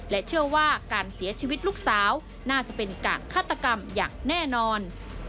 เชื่อว่าการเสียชีวิตลูกสาวน่าจะเป็นการฆาตกรรมอย่างแน่นอน